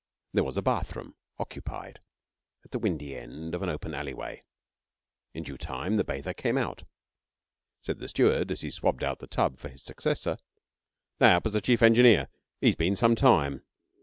There was a bathroom (occupied) at the windy end of an open alleyway. In due time the bather came out. Said the steward, as he swabbed out the tub for his successor: 'That was the Chief Engineer. 'E's been some time.